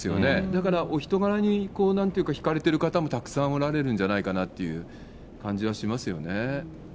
だからお人柄になんていうか、引かれてる方もたくさんおられるんじゃないかなっていう感じはしますよね。